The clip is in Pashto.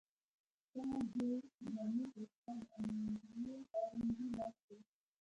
د دې ډرامې تر شا د انډریو کارنګي لاس و